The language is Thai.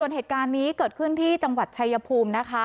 ส่วนเหตุการณ์นี้เกิดขึ้นที่จังหวัดชายภูมินะคะ